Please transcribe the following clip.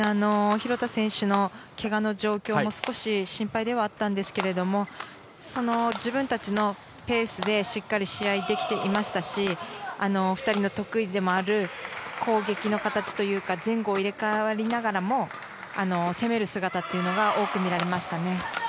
廣田選手のけがの状況も少し心配ではあったんですが自分たちのペースでしっかり試合できていましたし２人の特技でもある攻撃の形というか前後を入れ替わりながらも攻める姿が多く見られましたね。